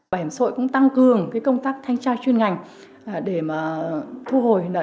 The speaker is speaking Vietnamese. bảo hiểm xã hội cũng tăng cường công tác thanh tra chuyên ngành để thu hồi nợ động